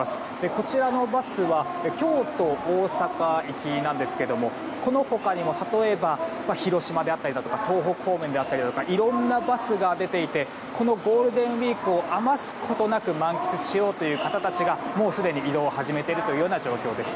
こちらのバスは京都、大阪行きなんですけれどもこの他にも例えば広島であったりとか東北方面であったりだとかいろんなバスが出ていてこのゴールデンウィークを余すことなく満喫しようという方たちがすでに移動を始めている状況です。